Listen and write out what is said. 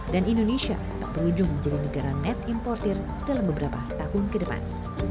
dan indonesia tetap berujung menjadi negara net importer dalam beberapa tahun kedepan